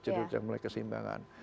jadi mulai keseimbangan